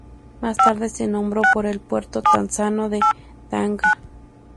Más tarde se nombró por el puerto tanzano de Tanga.